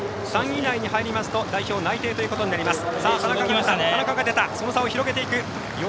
３位以内に入りますと代表内定ということになります。